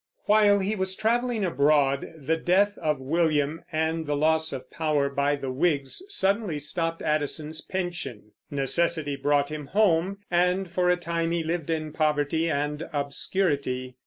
While he was traveling abroad, the death of William and the loss of power by the Whigs suddenly stopped Addison's pension; necessity brought him home, and for a time he lived in poverty and obscurity.